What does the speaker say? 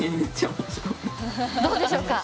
どうでしょうか！